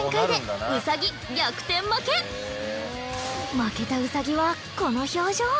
負けたウサギはこの表情。